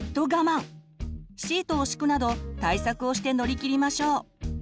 シートを敷くなど対策をして乗り切りましょう。